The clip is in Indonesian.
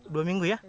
dua minggu ya